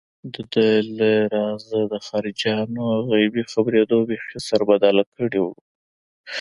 دده له رازه د خارجيانو غيبي خبرېدو بېخي سربداله کړی و.